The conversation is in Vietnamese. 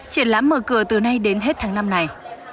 triển lãm mở cửa từ nay đến hết tháng năm này